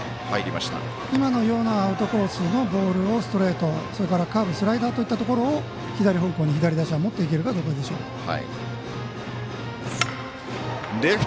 今のようなアウトコースのボールをストレート、カーブスライダーといったところを左方向に左打者が持っていけるかどうかでしょう。